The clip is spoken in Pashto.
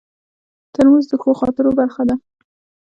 ترموز د ښو خاطرو برخه ده.